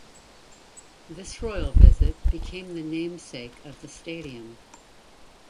This Royal Visit became the namesake of the stadium.